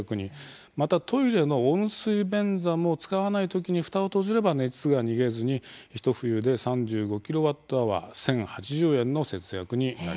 またトイレの温水便座も使わない時に蓋を閉じれば熱が逃げずにひと冬で３５ｋＷｈ１，０８０円の節約になります。